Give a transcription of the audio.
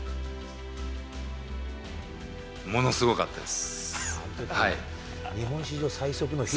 ものすごかったです。